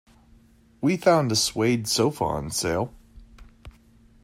We found a suede sofa on sale.